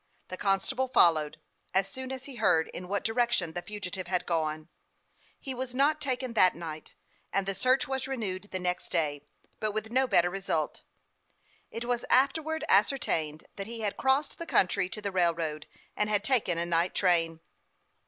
The constable followed, as soon as he heard in what direction the fugitive had gone. He Avas not taken that night, and the search was renewed the next day, but with no better result. It was after wards ascertained that he had crossed the country to the railroad, and taken a night train.